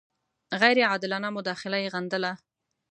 غیر عادلانه مداخله یې غندله.